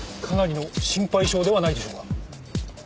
かなりの心配性ではないでしょうか？